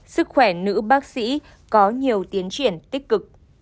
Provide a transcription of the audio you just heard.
sức khỏe nữ bác sĩ có nhiều tiến triển tích cực